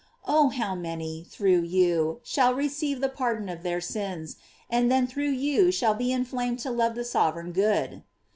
Oh how many, through you, shall receive the pardon of their sins, and then through you shall be inflamed to love the Sovereign Good!